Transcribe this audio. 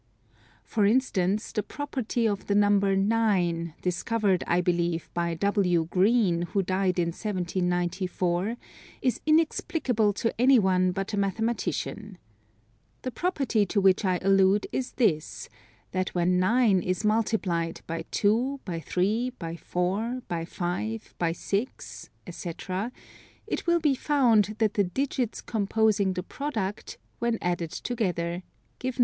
For instance, the property of the number 9, discovered, I believe, by W. Green, who died in 1794, is inexplicable to any one but a mathematician. The property to which I allude is this, that when 9 is multiplied by 2, by 3, by 4, by 5, by 6, &c., it will be found that the digits composing the product, when added together, give 9.